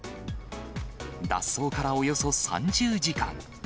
脱走からおよそ３０時間。